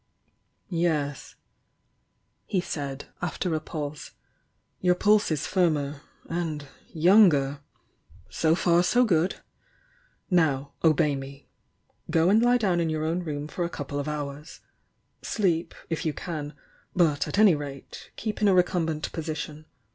. "Yes," he said, after a pause, "your pulse is firmer —aad younger. So far, so good! Now, obey me. Go and lie down in your own room for a couple of hours. Sleep, if you can,— but, at any rate, keep in a recumbent position.